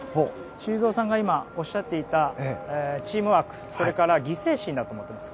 修造さんが今、おっしゃっていたチームワークと犠牲心だと思っています。